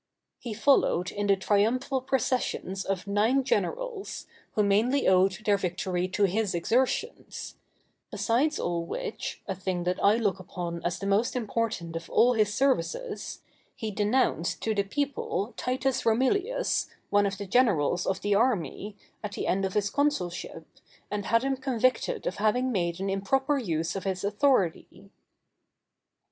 He followed in the triumphal processions of nine generals, who mainly owed their victories to his exertions; besides all which, a thing that I look upon as the most important of all his services, he denounced to the people Titus Romilius, one of the generals of the army, at the end of his consulship, and had him convicted of having made an improper use of his authority.